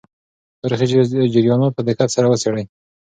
تاریخي جریانات په دقت سره وڅېړئ.